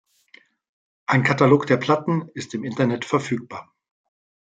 Ein Katalog der Platten ist im Internet verfügbar.